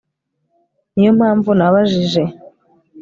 niyo mpamvu nabajije